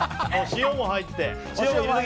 塩も入って。